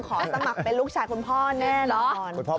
ขอตามมักเป็นลูกชายของพ่อแน่นอน